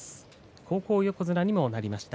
高校横綱にもなりました。